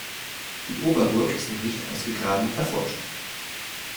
Die Oberburg ist noch nicht ausgegraben und erforscht.